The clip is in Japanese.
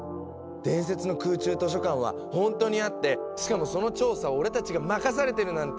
伝説の空中図書館は本当にあってしかもその調査を俺たちが任されてるなんて。